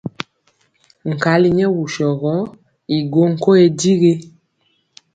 Nkali nyɛ wusɔ gɔ i go nkoye digi.